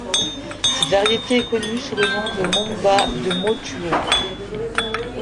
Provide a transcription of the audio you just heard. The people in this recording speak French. Cette variété est connue sous le nom de monba de Motuo.